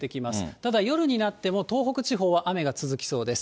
ただ夜になっても、東北地方は雨が続きそうです。